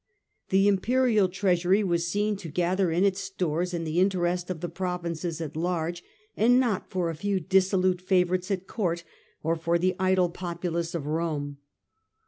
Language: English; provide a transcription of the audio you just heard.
The imperial treasury was seen to gather in its stores in the interest of the provinces at large, and not for a few dissolute favour ites at court or for the idle populace of Rome.